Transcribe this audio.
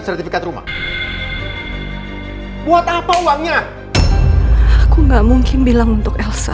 sertifikat rumah buat apa uangnya aku nggak mungkin bilang untuk elsa